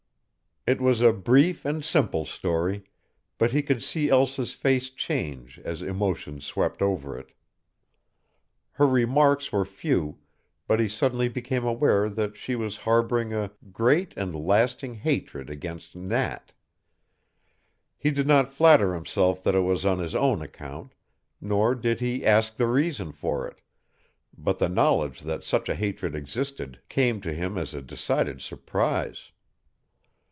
It was a brief and simple story, but he could see Elsa's face change as emotions swept over it. Her remarks were few, but he suddenly became aware that she was harboring a great and lasting hatred against Nat. He did not flatter himself that it was on his own account, nor did he ask the reason for it, but the knowledge that such a hatred existed came to him as a decided surprise.